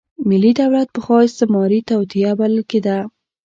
ملي دولت پخوا استعماري توطیه بلل کېده.